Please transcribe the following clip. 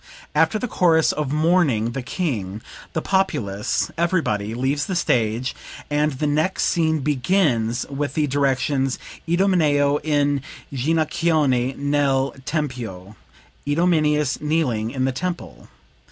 "After the chorus of mourning the King, the populace, everybody, leave the stage, and the next scene begins with the directions: 'Idomeneo in ginochione nel tempio (Idomeneus, kneeling in the temple).'